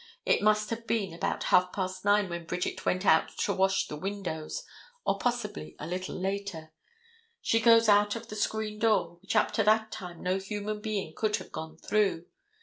It must have been about half past nine when Bridget went out to wash the windows, or possibly a little later. She goes out of the screen door, which up to that time no human being could have gone through.